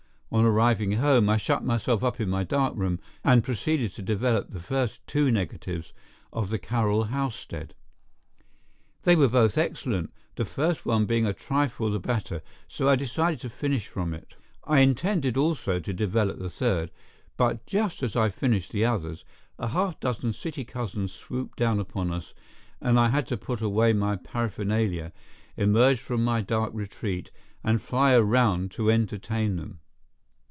On arriving home I shut myself up in my dark room and proceeded to develop the first two negatives of the Carroll housestead. They were both excellent, the first one being a trifle the better, so that I decided to finish from it. I intended also to develop the third, but just as I finished the others, a half dozen city cousins swooped down upon us and I had to put away my paraphernalia, emerge from my dark retreat and fly around to entertain them.